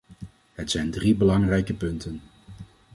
Het zijn drie belangrijke punten.